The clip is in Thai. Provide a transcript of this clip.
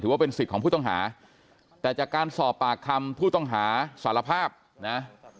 ว่าเป็นสิทธิ์ของผู้ต้องหาแต่จากการสอบปากคำผู้ต้องหาสารภาพนะ